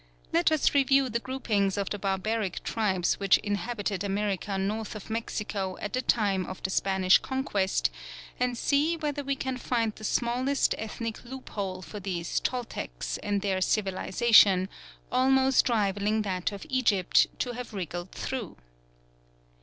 Let us review the groupings of the barbaric tribes which inhabited America north of Mexico at the time of the Spanish Conquest, and see whether we can find the smallest ethnic loophole for these Toltecs and their civilisation, almost rivalling that of Egypt, to have wriggled through.